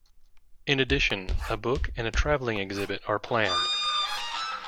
In addition, a book and a travelling exhibit are planned.